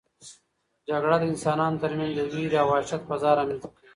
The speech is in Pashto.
جګړه د انسانانو ترمنځ د وېرې او وحشت فضا رامنځته کوي.